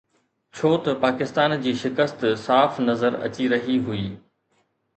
ڇو ته پاڪستان جي شڪست صاف نظر اچي رهي هئي